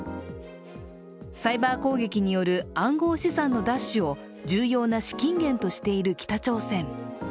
サイバー攻撃による暗号資産の奪取を重要な資金源としている北朝鮮。